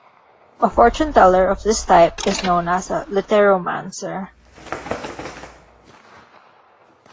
A fortune-teller of this type is known as a literomancer.